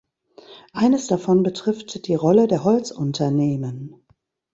Eines davon betrifft die Rolle der Holzunternehmen.